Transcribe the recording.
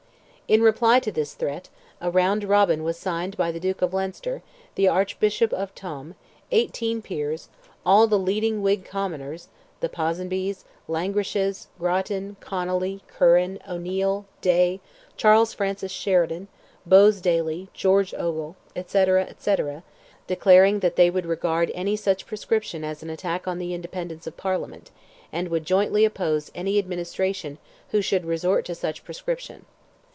In reply to this threat, a "Round Robin" was signed by the Duke of Leinster, the Archbishop of Tuam, eighteen peers, all the leading Whig commoners—the Ponsonbys, Langrishes, Grattan, Connolly, Curran, O'Neil, Day, Charles Francis Sheridan, Bowes Daly, George Ogle, etc., etc.—declaring that they would regard any such proscription as an attack on the independence of Parliament, and would jointly oppose any administration who should resort to such proscription.